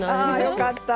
あよかった。